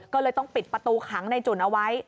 ก็เลยต้องปิดประตูขังในจุ่นเอาไว้